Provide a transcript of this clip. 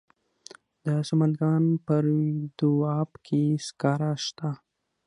د سمنګان په روی دو اب کې سکاره شته.